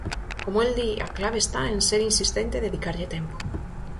Como el di, a clave está en "ser insistente e dedicarlle tempo".